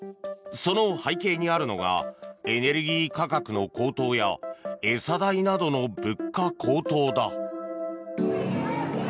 その背景にあるのがエネルギー価格の高騰や餌代などの物価高騰だ。